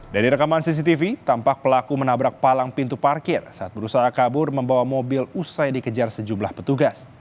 dari rekaman cctv tampak pelaku menabrak palang pintu parkir saat berusaha kabur membawa mobil usai dikejar sejumlah petugas